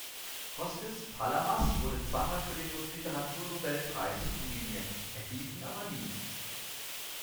Kostis Palamas wurde zweimal für den Literatur-Nobelpreis nominiert, erhielt ihn aber nie.